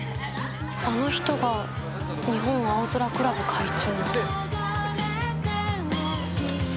あの人が日本青空クラブ会長。